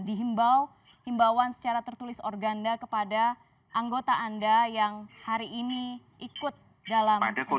dihimbau himbauan secara tertulis organda kepada anggota anda yang hari ini ikut dalam